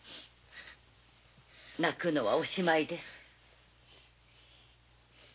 泣くのはおしまいです。